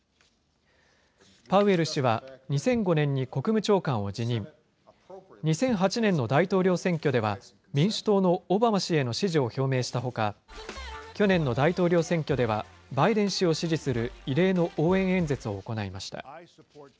パウエル氏は２００５年に国務長官を辞任、２００８年の大統領選挙では、民主党のオバマ氏への支持を表明したほか、去年の大統領選挙ではバイデン氏を支持する異例の応援演説を行いました。